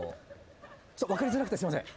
分かりづらくてすいません。